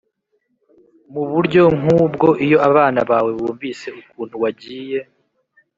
Mu buryo nk ubwo iyo abana bawe bumvise ukuntu wagiye